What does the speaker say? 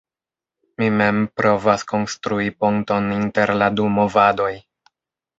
Mi mem provas konstrui ponton inter la du movadoj.